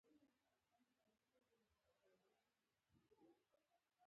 یاده لوبه ډېره چمبازه وه.